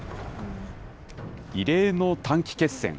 異例の短期決戦。